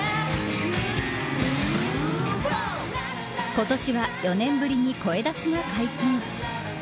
今年は４年ぶりに声出しが解禁。